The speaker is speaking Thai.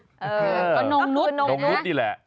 เออก็คือนมนุษย์นะครับนมนุษย์ดีแหละ